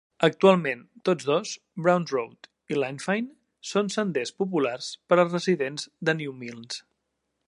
Actualment, tots dos Browns Road i Lanfine són senders populars per als residents de Newmilns.